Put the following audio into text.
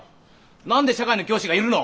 何で社会の教師がいるの？